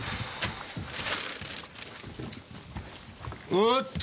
おーっと！